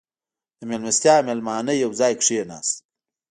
• د میلمستیا مېلمانه یو ځای کښېناستل.